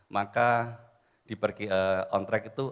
maka di on track itu